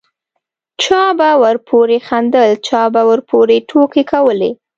چا به ورپورې خندل چا به ورپورې ټوکې کولې.